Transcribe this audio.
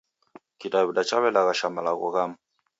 Kidaw'ida chaw'elaghasha malagho ghamu.